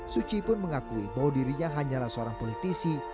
suu kyi pun mengakui bahwa dirinya hanyalah seorang politisi